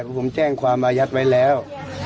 เพราะผมแจ้งความอายัดไว้แล้ว